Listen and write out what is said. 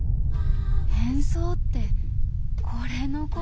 変装ってこれのこと？